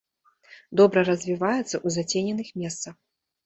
Добра развіваецца ў зацененых месцах.